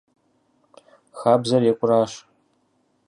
Хабзэр екӀуращ.